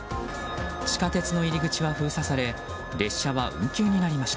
地下鉄の入り口は封鎖され列車は運休になりました。